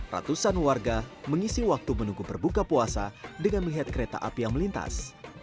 ratusan warga mengisi waktu menunggu berbuka puasa dengan melihat kereta api yang melintas